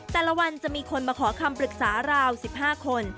แต่ละวันจะมีคนมาขอคำปรึกษาราว๑๕คน